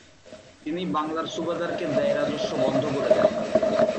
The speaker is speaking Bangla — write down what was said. তিনি বাংলার সুবাদারকে দেয় রাজস্ব বন্ধ করে দেন।